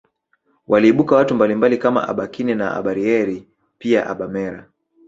Waliibuka watu mbalimbali kama abakine na abarieri pia abamera